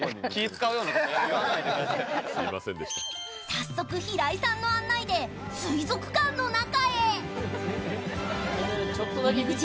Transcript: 早速、平井さんの案内で水族館の中へ。